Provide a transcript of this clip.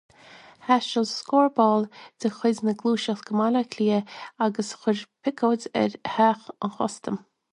Thaistil scór ball de chuid na Gluaiseachta go Baile Átha Cliath agus chuir picéad ar Theach an Chustaim.